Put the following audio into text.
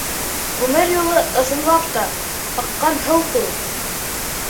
Ғүмер юлы, ысынлап та, аҡҡан һыу кеүек.